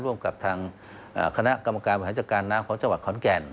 ร่วมกับทางคณะกรรมการบริหารจัดการน้ำของจังหวัดขอนแก่น